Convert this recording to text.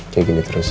kayak gini terus ya